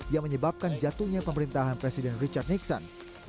yang menyebabkan jatuhnya pemerintahan presiden richard nixon